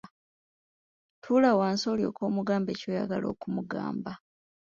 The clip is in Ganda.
Tuula wansi olyoke omugambe ky'oyagala okumugamba.